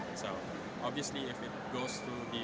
satu lagi bergantung pada kemampuan bank untuk proyek itu sendiri